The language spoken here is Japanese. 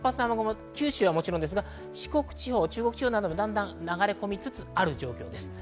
九州はもちろん四国地方、中国地方にもだんだん流れ込みつつある状況です。